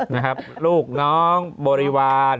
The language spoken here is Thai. นะครับลูกน้องภัณฑ์โบริวาร